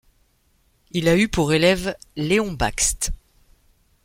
Il a eu pour élève Léon Bakst.